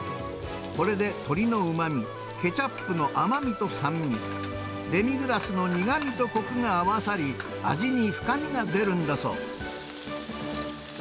これで鶏のうまみ、ケチャップの甘みと酸味、デミグラスの苦みとこくが合わさり、味に深みが出るんだそう。